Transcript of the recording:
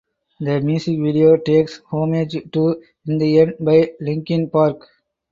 The music video takes homage to "In the End" by Linkin Park.